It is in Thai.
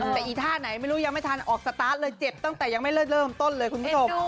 แต่อีท่าไหนไม่รู้ยังไม่ทันออกสตาร์ทเลยเจ็บตั้งแต่ยังไม่เลิศเริ่มต้นเลยคุณผู้ชม